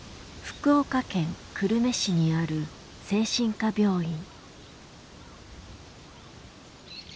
福岡県久留米市にある精神科病院。